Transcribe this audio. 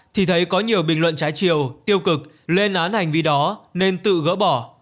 thì thấy có nhiều bình luận trái chiều tiêu cực lên án hành vi đó nên tự gỡ bỏ